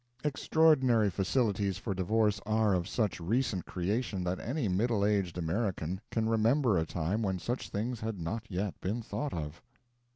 Extraordinary facilities for divorce are of such recent creation that any middle aged American can remember a time when such things had not yet been thought of.